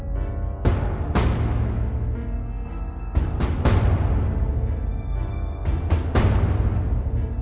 โปรดติดตามต่อไป